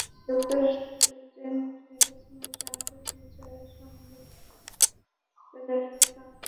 যুক্তরাষ্ট্রের প্রেসিডেন্ট নির্বাচনে ট্রাম্পের বিজয়ের সংবাদ সম্মেলন কেন্দ্রের বিশেষজ্ঞদের শঙ্কিত করে তুলেছে।